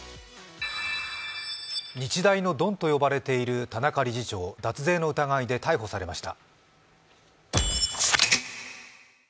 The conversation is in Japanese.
日大のドンと呼ばれている田中理事長脱税の疑いで逮捕されました。